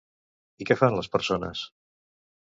I què fan les persones?